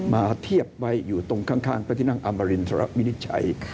มาเทียบไว้อยู่ตรงข้างพระที่นั่งอมรินทรวินิจฉัย